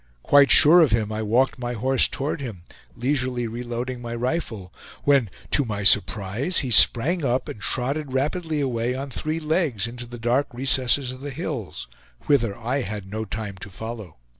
Quite sure of him, I walked my horse toward him, leisurely reloading my rifle, when to my surprise he sprang up and trotted rapidly away on three legs into the dark recesses of the hills, whither I had no time to follow.